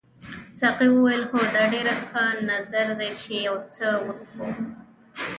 ساقي وویل هو دا ډېر ښه نظر دی چې یو څه وڅښو.